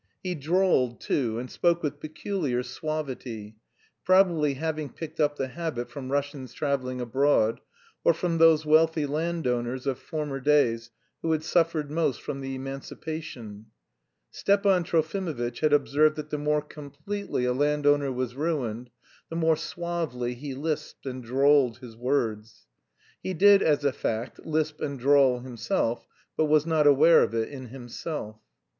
He drawled, too, and spoke with peculiar suavity, probably having picked up the habit from Russians travelling abroad, or from those wealthy landowners of former days who had suffered most from the emancipation. Stepan Trofimovitch had observed that the more completely a landowner was ruined, the more suavely he lisped and drawled his words. He did, as a fact, lisp and drawl himself, but was not aware of it in himself.